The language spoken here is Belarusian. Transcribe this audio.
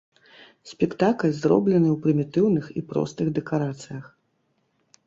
Спектакль зроблены ў прымітыўных і простых дэкарацыях.